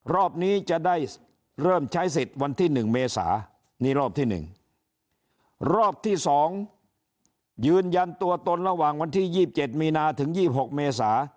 รอบนี้จะได้เริ่มใช้สิทธิ์วันที่๑เมษานี่รอบที่๑รอบที่๒ยืนยันตัวตนระหว่างวันที่๒๗มีนาถึง๒๖เมษา